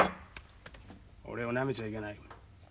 俺をなめちゃいけない。